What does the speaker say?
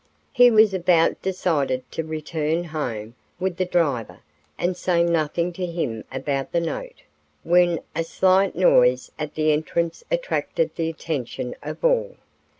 He was about decided to return home with the driver and say nothing to him about the note, when a slight noise at the entrance attracted the attention of all.